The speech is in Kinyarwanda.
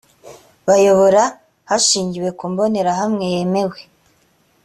bayobora hashingiwe ku mbonerahamwe yemewe